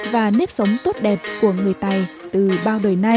và nếp sống tốt đẹp của người tày từ bao đời nay